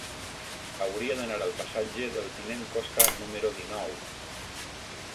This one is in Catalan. Hauria d'anar al passatge del Tinent Costa número dinou.